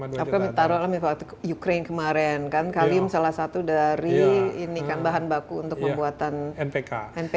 apakah menurut kalian waktu ukraine kemarin kan kalim salah satu dari bahan baku untuk membuat npk